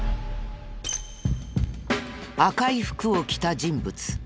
赤い服を着た人物。